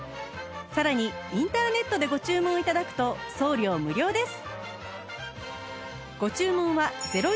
さらにインターネットでご注文頂くと送料無料です